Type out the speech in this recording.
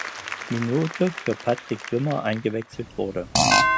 Minute für Patrick Wimmer eingewechselt wurde.